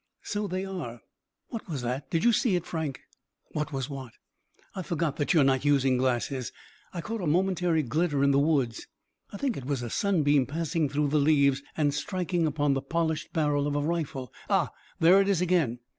"So they are. What was that? Did you see it, Frank?" "What was what?" "I forgot that you are not using glasses. I caught a momentary glitter in the woods. I think it was a sunbeam passing through the leaves and striking upon the polished barrel of a rifle. Ah! there it is again!